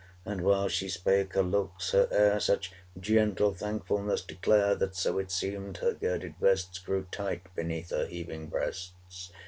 And while she spake, her looks, her air Such gentle thankfulness declare, That (so it seemed) her girded vests Grew tight beneath her heaving breasts.